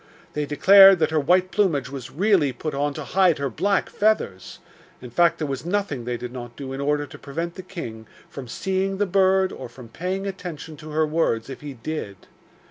They declared that her white plumage was really put on to hide her black feathers in fact there was nothing they did not do in order to prevent the king from seeing the bird or from paying attention to her words if he did.